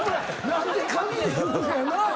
何で紙で言うねやなぁ。